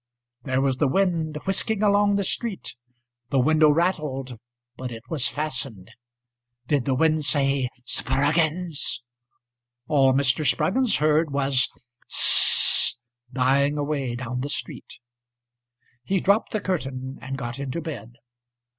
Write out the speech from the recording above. There was the wind whisking along the street. The window rattled, but it was fastened. Did the wind say, âSprugginsâ? All Mr. Spruggins heard was âS s s s s ââDying away down the street. He dropped the curtain and got into bed.